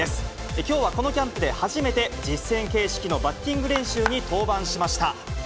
きょうはこのキャンプで初めて実戦形式のバッティング練習に登板しました。